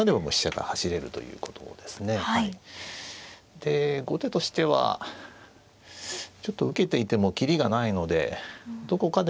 で後手としてはちょっと受けていても切りがないのでどこかで